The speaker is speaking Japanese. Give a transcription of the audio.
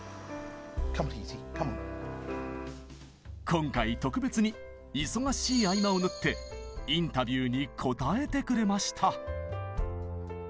今回特別に忙しい合間を縫ってインタビューに答えてくれました。